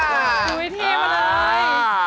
ภอกที่เวทีมาเลย